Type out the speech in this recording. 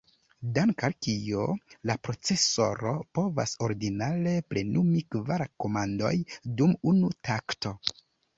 Dank’ al kio, la procesoro povas ordinare plenumi kvar komandoj dum unu takto.